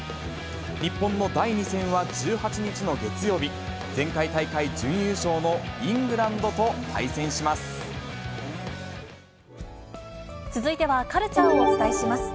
日本の第２戦は１８日の月曜日、前回大会準優勝のイングランドと続いてはカルチャーをお伝えします。